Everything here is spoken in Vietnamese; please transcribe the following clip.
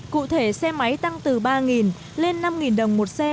cụ thể xe máy tăng từ ba lên năm đồng một xe